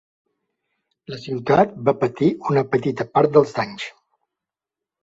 La ciutat va patir una petita part dels danys.